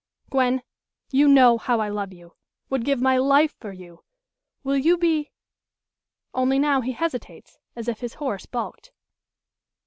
"Gwen! you know how I love you would give my life for you! Will you be " Only now he hesitates, as if his horse baulked.